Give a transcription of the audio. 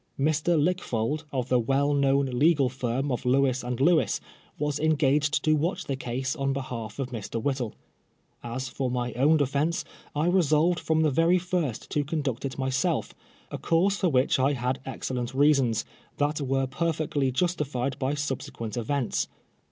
Mr. Lickfold, of the well known legal firm of Lewis and Lewis, was engaged to watch the case on behalf of Mr. Whittle. As for my own defence, I resolved from the very first to conduct it myself, a course for which I had excellent reasons, that were perfectly justified by subsequent events.